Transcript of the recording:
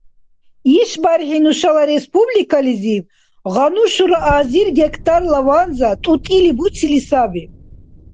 ИшбархӀи нушала республикализиб гъану шура азир гектарла ванза тӀутӀили буцили саби.